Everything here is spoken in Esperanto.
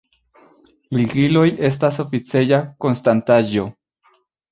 Ligiloj estas oficeja konstantaĵo.